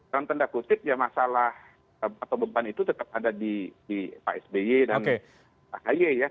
kan tenda kustik ya masalah atau beban itu tetap ada di pak sby dan pak ay ya